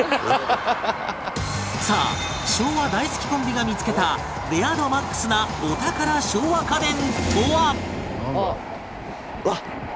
さあ昭和大好きコンビが見つけたレア度 ＭＡＸ なお宝昭和家電とは？